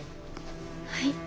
はい。